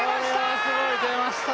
これはすごい出ました